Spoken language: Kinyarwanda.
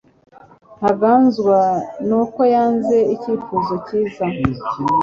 Ntangazwa nuko yanze icyifuzo cyiza